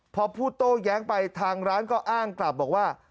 พอพูดโต้แย้งไปทางร้านก็อ้างกลับบอกว่า